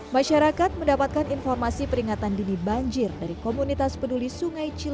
masyarakat mendapatkan informasi peringatan dini banjir dari komunitas peduli sungai ciliwung